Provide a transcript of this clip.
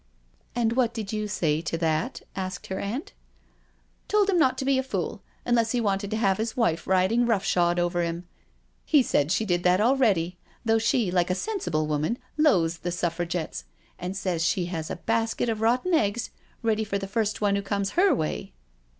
" "And what did you say to that?" asked her aunt. " Told him not to be a fool — unless he wanted to have his wife riding rough shod over him. He said she did that already, though she, like a sensible woman, loathes the Suffragettes, and says she has a basket of rotten eggs ready for the first one who comes her way."